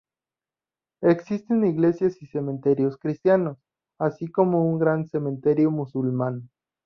Existen iglesias y cementerios cristianos, así como un gran cementerio musulmán.